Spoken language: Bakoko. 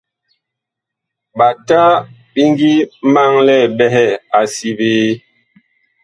Ɓata bi ngi maŋlɛɛ ɓɛhɛ a si biee.